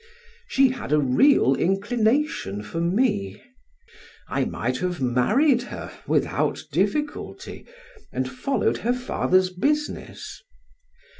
She had a real inclination for me; I might have married her without difficulty, and followed her father's business.